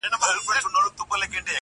زړه مې مات شوی د هغه راته تاوان راکړه